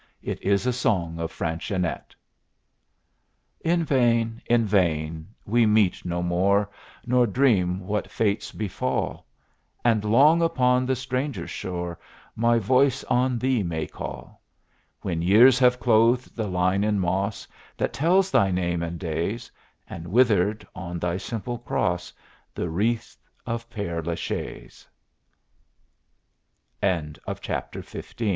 It is a song of Fanchonette: In vain, in vain; we meet no more, Nor dream what fates befall; And long upon the stranger's shore My voice on thee may call, When years have clothed the line in moss That tells thy name and days, And withered, on thy simple cross, The wreaths of Pere la Chaise! XVI THE MALADY CALLE